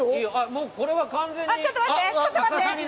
もうこれは完全に。